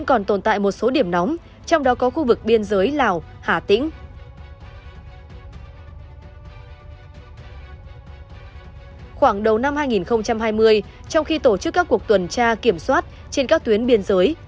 khoảng đầu năm hai nghìn hai mươi trong khi tổ chức các cuộc tuần tra kiểm soát trên các tuyến biên giới